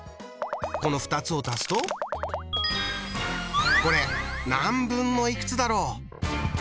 この２つを足すとこれ何分のいくつだろう？